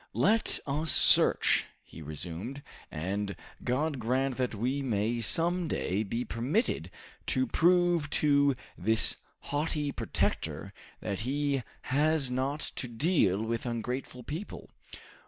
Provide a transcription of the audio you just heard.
"Let us search," he resumed, "and God grant that we may some day be permitted to prove to this haughty protector that he has not to deal with ungrateful people!